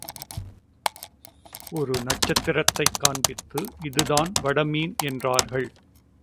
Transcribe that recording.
ஏதோ ஒரு நட்சத்திரத்தைக் காண்பித்து இதுதான் வடமீன் என்றார்கள்.